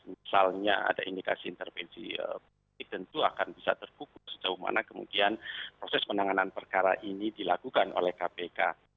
misalnya ada indikasi intervensi politik tentu akan bisa terkukus sejauh mana kemudian proses penanganan perkara ini dilakukan oleh kpk